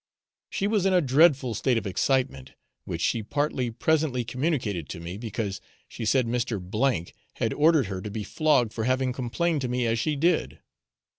She was in a dreadful state of excitement, which she partly presently communicated to me, because she said Mr. O had ordered her to be flogged for having complained to me as she did.